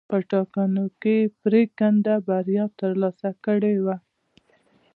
په ټاکنو کې یې پرېکنده بریا ترلاسه کړې وه.